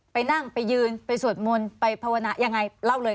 ไปนั่งไปยืนไปสวดมนต์ไปภาวนายังไงเล่าเลย